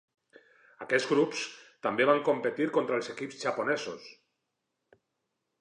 Aquests grups també van competir contra els equips japonesos.